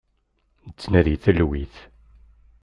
Nettnadi talwit.